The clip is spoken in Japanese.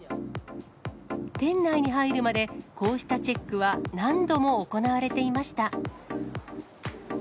店内に入るまで、こうしたチェックは何度も行われていました。